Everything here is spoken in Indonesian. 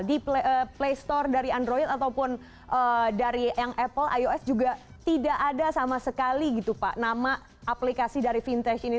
di play store dari android ataupun dari yang apple ios juga tidak ada sama sekali gitu pak nama aplikasi dari vintage ini